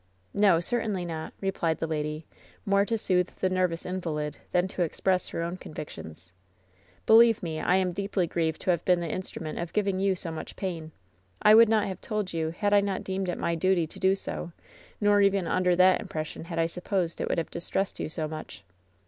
"No, certainly not," replied the lady, more to soothe the nervous invalid than to express her own convictions. "Believe me, I am deeply grieved to have been the in strument of giving you so much pain. I would not have told you had I not deemed it my duty to do so; nor even under that impression had I supposed it would have distressed you so much."